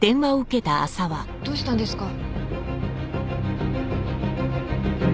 どうしたんですか？